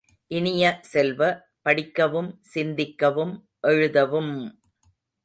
இனிய செல்வ, படிக்கவும் சிந்திக்கவும் எழுதவும்!